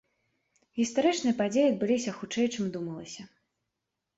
Гістарычныя падзеі адбыліся хутчэй чым думалася.